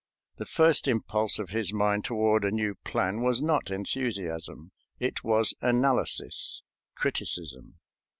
The first impulse of his mind toward a new plan was not enthusiasm; it was analysis, criticism.